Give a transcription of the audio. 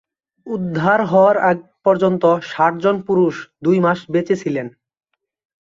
উদ্ধার হওয়ার আগ পর্যন্ত ষাট জন পুরুষ দুই মাস বেঁচে ছিলেন।